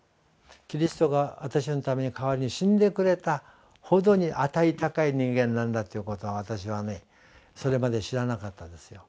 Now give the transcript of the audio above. キリストが私のために代わりに死んでくれたほどに値高い人間なんだということを私はそれまで知らなかったですよ。